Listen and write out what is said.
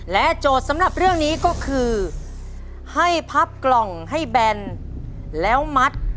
โจทย์สำหรับเรื่องนี้ก็คือให้พับกล่องให้แบนแล้วมัด